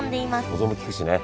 保存も利くしね